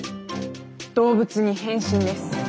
動物に変身です。